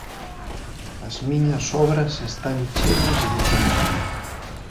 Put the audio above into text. As miñas obras están cheas de contido.